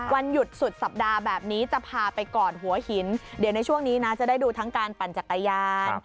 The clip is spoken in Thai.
วันหยุดสุดสัปดาห์แบบนี้จะพาไปก่อนหัวหินเดี๋ยวในช่วงนี้นะจะได้ดูทั้งการปั่นจักรยาน